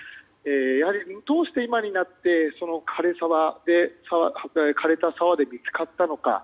やはりどうして今になって枯れた沢で見つかったのか。